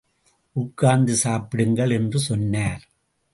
உட்கார்ந்து சாப்பிடுங்கள் என்று சொன்னார்.